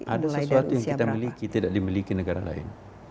ada sesuatu yang kita miliki tidak dimiliki negara lain